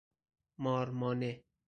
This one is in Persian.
مار مانه